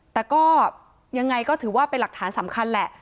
แต่ก็ยังไงก็ถือว่าเป็นหลักฐานสำคัญแหละ